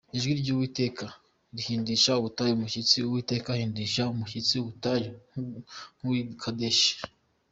Ijwi ry’Uwiteka rihindisha ubutayu umushyitsi, Uwiteka ahindisha umushyitsi ubutayu bw’i Kadeshi.